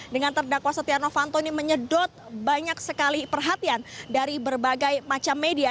dengan terdakwa setia novanto ini menyedot banyak sekali perhatian dari berbagai macam media